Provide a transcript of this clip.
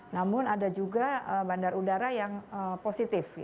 namun ada juga bandar udara yang positif